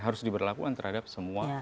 harus diberlakukan terhadap semua